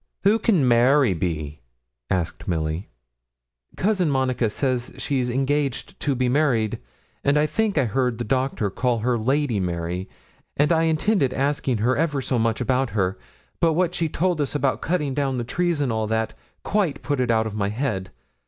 'Who can Mary be?' asked Milly. 'Cousin Monica says she's engaged to be married, and I think I heard the Doctor call her Lady Mary, and I intended asking her ever so much about her; but what she told us about cutting down the trees, and all that, quite put it out of my head.